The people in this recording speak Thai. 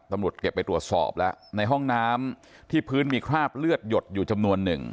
ตำรวจเก็บไปตรวจสอบแล้วในห้องน้ำที่พื้นมีคราบเลือดหยดอยู่จำนวนหนึ่ง